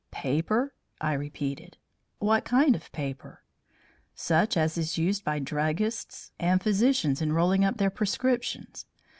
"Paper?" I repeated. "What kind of paper?" "Such as is used by druggists and physicians in rolling up their prescriptions.